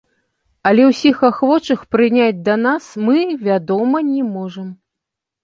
Але ўсіх ахвочых прыняць да нас мы, вядома, не можам.